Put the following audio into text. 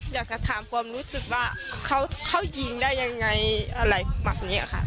อยากจะถามความรู้สึกว่าเขายิงได้ยังไงอะไรแบบนี้ค่ะ